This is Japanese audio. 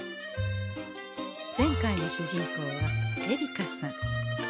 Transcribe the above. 前回の主人公はえりかさん。